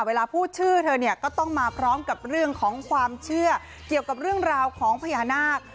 เวลาพูดชื่อเธอเนี่ยก็ต้องมาพร้อมกับเรื่องของความเชื่อเกี่ยวกับเรื่องราวของพญานาค